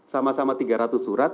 sama sama tiga ratus surat